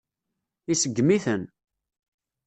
Iseggem-iten.